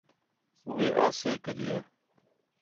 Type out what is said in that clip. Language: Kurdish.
Wî asê kiriye.